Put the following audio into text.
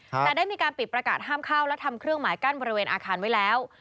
แต่ได้มีการปิดประกาศห้ามเข้าและทำเครื่องหมายกั้นบริเวณอาคารไว้แล้ว